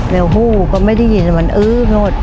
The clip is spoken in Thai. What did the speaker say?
แล้วหู้ก็ไม่ได้ยินมันอื้องด